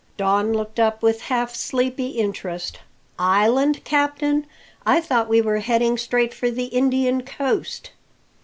Don looked up with half sleepy interest. "Island, captain? I thought we were heading straight for the Indian coast."